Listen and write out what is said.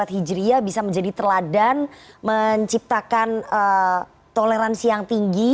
empat hijriah bisa menjadi teladan menciptakan toleransi yang tinggi